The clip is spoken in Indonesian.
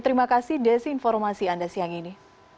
terima kasih desinformasi anda siang ini